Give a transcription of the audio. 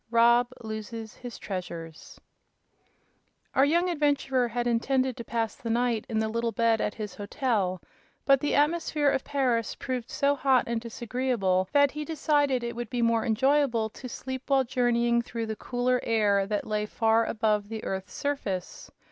13. Rob Loses His Treasures Our young adventurer had intended to pass the night in the little bed at his hotel, but the atmosphere of Paris proved so hot and disagreeable that he decided it would be more enjoyable to sleep while journeying through the cooler air that lay far above the earth's surface.